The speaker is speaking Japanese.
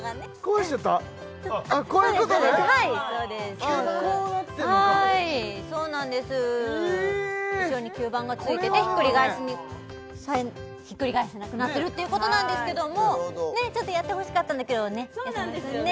ええっ後ろに吸盤がついててひっくり返せなくなってるっていうことなんですけどもやってほしかったんだけどねそうなんですよね